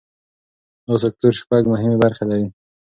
دا سکتور شپږ مهمې برخې لري.